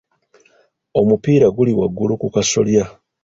Omupiira guli waggulu ku kasolya.